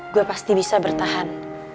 gue pasti bisa bertahan